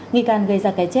nghị can gây ra cái chết